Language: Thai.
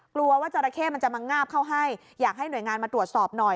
กลัวว่าจราเข้มันจะมางาบเข้าให้อยากให้หน่วยงานมาตรวจสอบหน่อย